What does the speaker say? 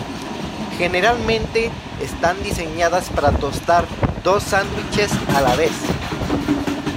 Generalmente, están diseñadas para tostar dos sándwiches a la vez.